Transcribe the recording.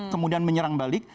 kemudian menyerang balik